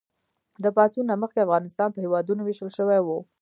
د پاڅون نه مخکې افغانستان په هېوادونو ویشل شوی و.